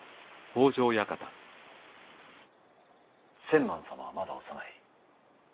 千幡様はまだ幼い。